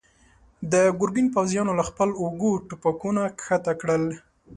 د ګرګين پوځيانو له خپلو اوږو ټوپکونه کښته کړل.